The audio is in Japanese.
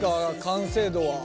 完成度は。